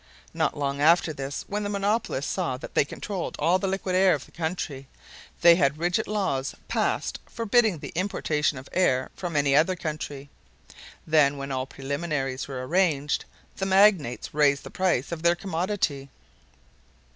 Not long after this, when the monopolists saw that they controlled all the liquid air of the country, they had rigid laws passed forbidding the importation of air from any other country. Then when all preliminaries were arranged, the magnates raised the price of their commodity.